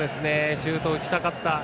シュート打ちたかった。